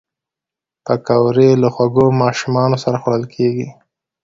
پکورې له خوږو ماشومانو سره خوړل کېږي